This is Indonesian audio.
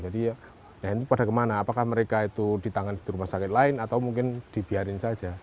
jadi ya ya itu pada kemana apakah mereka itu ditangan di rumah sakit lain atau mungkin dibiarin saja